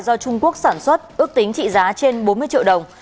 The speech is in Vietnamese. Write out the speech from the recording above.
do trung quốc sản xuất ước tính trị giá trên bốn mươi triệu đồng